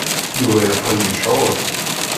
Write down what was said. Yuba yeqqel yecɣel.